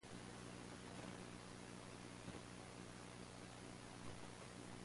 It seems to me that's a pretty major advance.